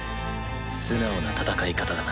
素直な戦い方だな。